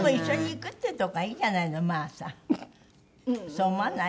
そう思わない？